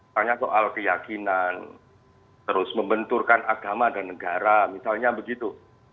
soalnya soal keyakinan terus membenturkan agama dan negara misalnya begitu